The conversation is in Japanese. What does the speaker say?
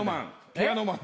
ピアノマン？